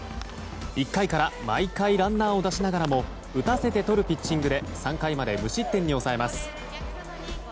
１回から毎回ランナーを出しながらも打たせてとるピッチングで３回まで無失点に抑えます。